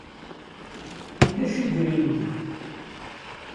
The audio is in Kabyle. Ulac idrimen.